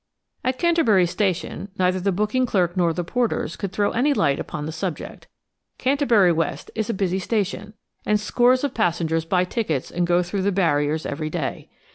At Canterbury station neither the booking clerk nor the porters could throw any light upon the subject. Canterbury West is a busy station, and scores of passengers buy tickets and go through the barriers every day.